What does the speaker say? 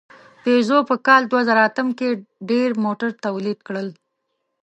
پيژو په کال دوهزرهاتم کې ډېر موټر تولید کړل.